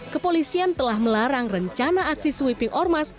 kepolisian telah melarang rencana aksi sweeping ormas